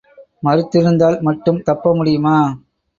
மறுத்திருந்தால் மட்டும் தப்ப முடியுமா?